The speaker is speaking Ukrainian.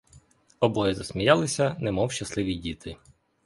Обоє засміялися, немов щасливі діти.